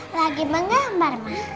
lagi menggambar ma